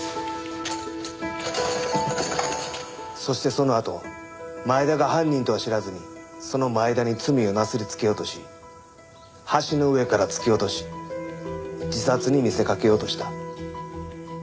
そしてそのあと前田が犯人とは知らずにその前田に罪をなすりつけようとし橋の上から突き落とし自殺に見せかけようとした。